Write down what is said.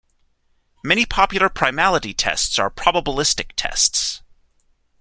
Many popular primality tests are probabilistic tests.